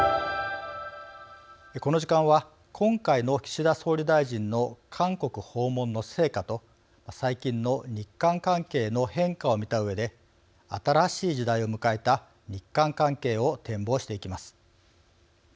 この時間は今回の岸田総理大臣の韓国訪問の成果と最近の日韓関係の変化を見たうえで新しい時代を迎えた日韓関係を展望していきます。